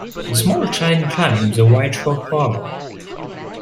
The small child climbs a white rock wall.